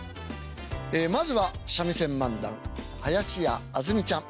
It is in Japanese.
ええまずは三味線漫談林家あずみちゃん。